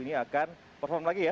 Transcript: ini akan perform lagi ya